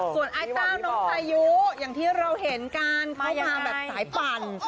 ส่วนไอ้เต้าน้องพายุอย่างที่เราเห็นกันเข้ามาแบบสายปั่น